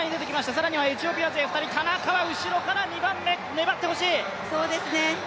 更にはエチオピア勢２人、田中は後ろから２番目、粘ってほしい。